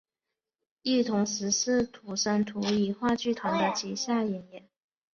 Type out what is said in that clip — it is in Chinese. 亦同时是土生土语话剧团的旗下演员。